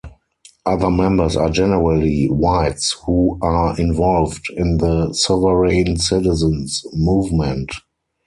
Other members are generally whites who are involved in the "sovereign citizens" movement.